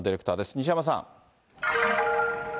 西山さん。